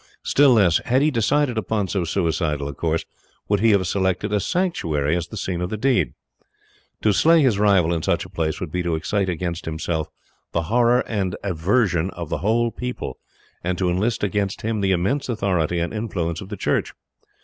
Still less, had he decided upon so suicidal a course, would he have selected a sanctuary as the scene of the deed. To slay his rival in such a place would be to excite against himself the horror and aversion of the whole people, and to enlist against him the immense authority and influence of the church.